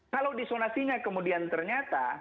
kalau disonasinya kemudian ternyata